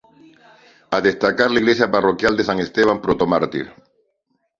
A destacar la iglesia parroquial de San Esteban Protomártir.